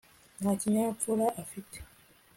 nta kinyabupfura afite